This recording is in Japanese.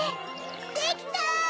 できた！